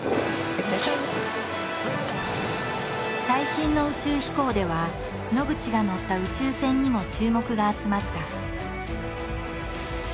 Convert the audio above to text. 最新の宇宙飛行では野口が乗った宇宙船にも注目が集まった。